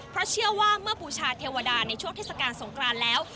เพราะเชื่อว่าเมื่อบูชาเทวดาในช่วงเทศกาลสงครานแล้ว